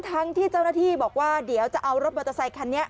ทั้งที่เจ้าหน้าที่บอกว่าเดี๋ยวจะเอารถมอเตอร์ไซคันนี้